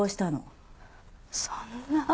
そんな